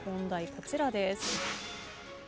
こちらです。